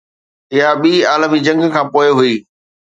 اها ٻي عالمي جنگ کان پوءِ هئي